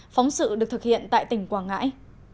phóng sự được thực hiện tại tỉnh quảng ngãi